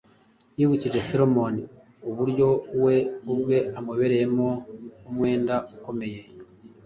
yibukije Filemoni uburyo we ubwe amubereyemo umwenda ukomeye.